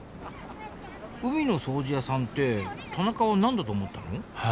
海の掃除屋さんって田中は何だと思ったの？